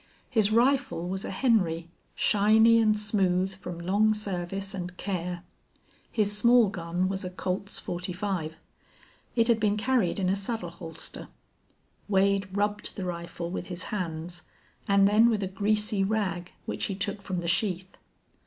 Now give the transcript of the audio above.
His rifle was a Henry shiny and smooth from long service and care. His small gun was a Colt's 45. It had been carried in a saddle holster. Wade rubbed the rifle with his hands, and then with a greasy rag which he took from the sheath.